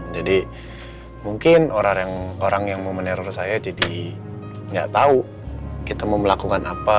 jadi mungkin orang yang mau meneror saya jadi gak tau kita mau melakukan apa